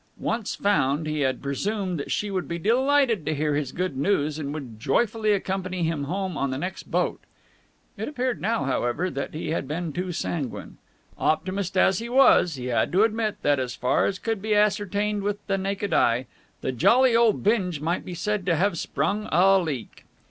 Once found, he had presumed that she would be delighted to hear his good news and would joyfully accompany him home on the next boat. It appeared now, however, that he had been too sanguine. Optimist as he was, he had to admit that, as far as could be ascertained with the naked eye, the jolly old binge might be said to have sprung a leak.